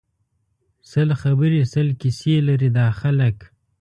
سل خبری سل کیسی لري دا خلک